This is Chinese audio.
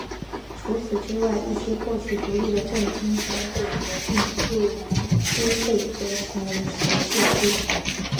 除此之外一些过去独立的镇今天被合并入兰茨贝格成为其市区。